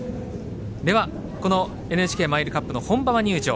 では、ＮＨＫマイルカップの本馬場入場